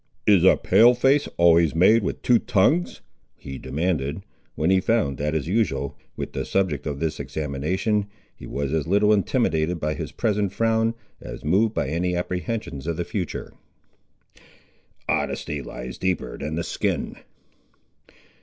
"Is a Pale face always made with two tongues?" he demanded, when he found that, as usual, with the subject of this examination, he was as little intimidated by his present frown, as moved by any apprehensions of the future. "Honesty lies deeper than the skin."